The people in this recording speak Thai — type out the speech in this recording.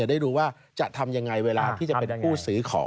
ได้ดูว่าจะทำยังไงเวลาที่จะเป็นผู้ซื้อของ